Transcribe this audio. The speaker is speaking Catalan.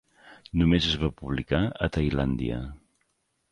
Només es va publicar a Tailàndia.